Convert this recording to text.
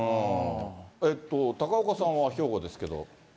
えっと、高岡さんは兵庫ですけど。